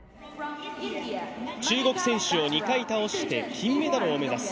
中国選手を２回倒して金メダルを目指す。